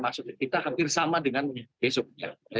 maksudnya kita hampir sama dengan besoknya